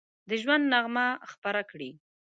د ژوند نغمه خپره کړي